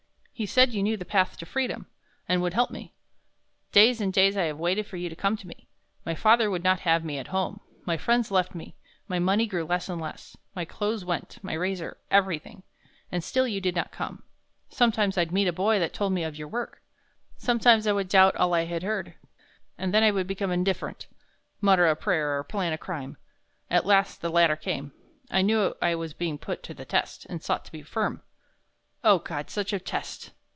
He said you knew the path to freedom, and would help me. Days and days I have waited for you to come to me. My father would not have me at home, my friends left me, my money grew less and less my clothes went, my razor everything. And still you did not come. Sometimes I'd meet a boy that told me of your work. Sometimes I would doubt all I had heard, and then I would become indifferent mutter a prayer or plan a crime. At last the letter came. I knew I was being put to the test, and I sought to be firm. Oh, God, such a test!